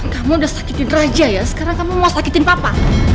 kamu sudah sakitkan raja ya sekarang kamu mau sakitkan papa